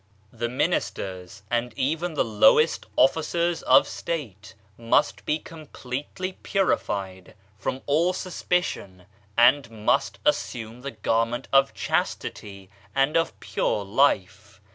The ministers, and even the lowest officers of state, must be completely purified from all suspi cion, and must assume the garment of chastity, and of pure life.